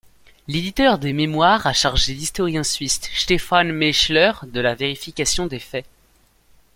L’éditeur des mémoires a chargé l'historien suisse Stefan Maechler de la vérification des faits.